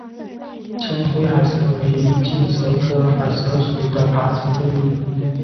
青灰海蛇为眼镜蛇科海蛇属的爬行动物。